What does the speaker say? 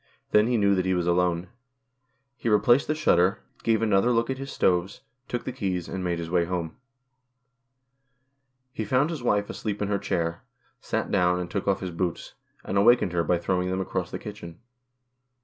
Then he knew that he was alone. He replaced the shutter, gave another look at his stoves, took the keys, and made his way home. He found his wife asleep in her chair, sat down and took off his boots, and awakened her by throwing them across the kitchen.